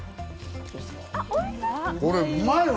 これ、うまいわ！